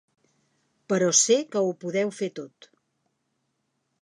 Però sé que ho podeu fer tot.